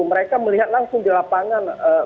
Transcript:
mereka melihat langsung di lapangan